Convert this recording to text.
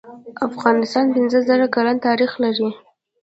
افغانستان پنځه زر کلن تاریخ لري.